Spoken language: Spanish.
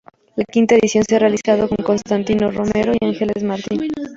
La quinta edición, se ha realizado con Constantino Romero y Ángeles Martín.